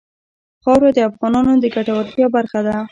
خاوره د افغانانو د ګټورتیا برخه ده.